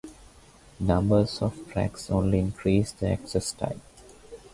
Number of tracks only increase the access time.